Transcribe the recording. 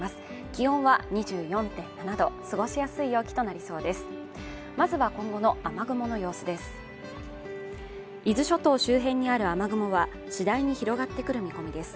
気温は２４．７度過ごしやすい陽気となりそうです